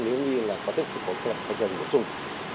nếu như là có tích cục khói cục hay gần gỡ trùng